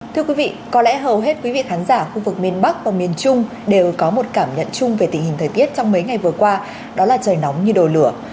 thưa quý vị có lẽ hầu hết quý vị khán giả khu vực miền bắc và miền trung đều có một cảm nhận chung về tình hình thời tiết trong mấy ngày vừa qua đó là trời nóng như đồ lửa